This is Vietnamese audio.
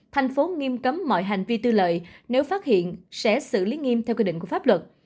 thành phố nghiêm cấm mọi hành vi tư lợi nếu phát hiện sẽ xử lý nghiêm theo quy định của pháp luật